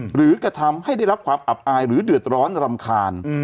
หรือกระทำให้ได้รับความอับอายหรือเดือดร้อนรำคาญ